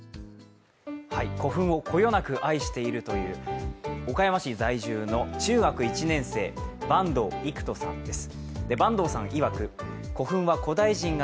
古墳をこよなく愛しているという岡山市在住の中学１年生、板東郁仁さんです。